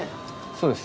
そうです。